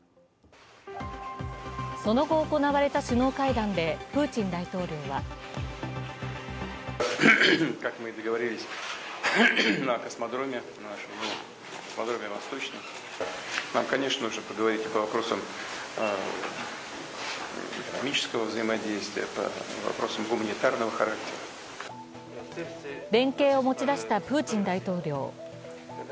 その後、行われた首脳会談でプーチン大統領は連携を持ち出したプーチン大統領。